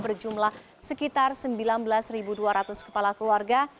berjumlah sekitar sembilan belas dua ratus kepala keluarga